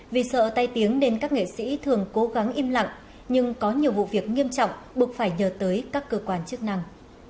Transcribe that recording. vì sợ tay tiếng nên các nghệ sĩ thường cố gắng im lặng nhưng có nhiều vụ việc nghiêm trọng buộc phải nhờ tới các cơ quan chức năng